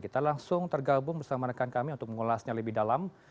kita langsung tergabung bersama rekan kami untuk mengulasnya lebih dalam